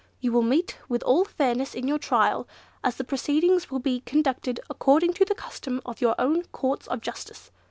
You will meet with all fairness in your trial, as the proceedings will be conducted according to the custom of your own Courts of justice.